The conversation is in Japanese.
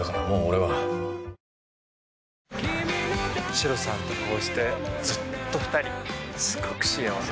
シロさんとこうしてずっと２人すごく幸せ。